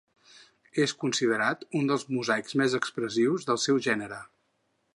És considerat un dels mosaics més expressius del seu gènere.